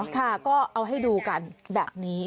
ค่ะก็เอาให้ดูกันแบบนี้